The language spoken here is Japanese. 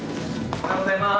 おはようございます。